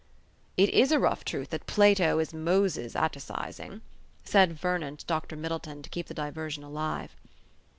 "It is a rough truth that Plato is Moses atticizing," said Vernon to Dr. Middleton, to keep the diversion alive.